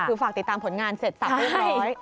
คือฝากติดตามผลงานเสร็จสับเรียบร้อย